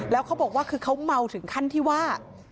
แล้วเขาบอกว่าคือเขาเมาถึงขั้นที่ว่า